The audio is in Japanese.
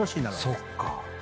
そっか。